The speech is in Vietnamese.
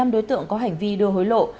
một mươi năm đối tượng có hành vi đưa hối lộ